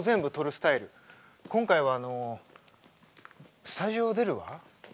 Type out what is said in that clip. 今回はスタジオを出るわ。